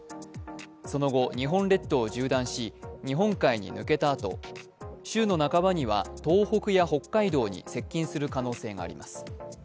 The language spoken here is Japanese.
その後、日本列島を縦断し日本海に抜けたあと、週の半ばには東北や北海道に接近する可能性があります。